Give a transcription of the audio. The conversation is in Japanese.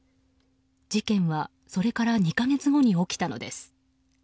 事件はそれから２か月後に起きたのです。